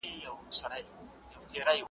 پېغلي ځي تر ښوونځیو ځوان مکتب لره روان دی ,